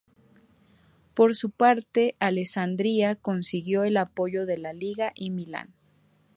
Por su parte, Alessandria consiguió el apoyo de la Liga y Milán.